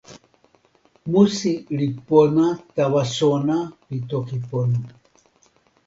musi li pona tawa sona pi toki pona.